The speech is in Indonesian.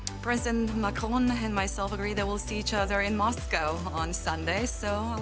dan presiden macron dan saya bersetuju bahwa kita akan bertemu di moskow pada hari selatan